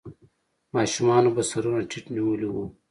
ماشومانو به سرونه ټيټ نيولې وو.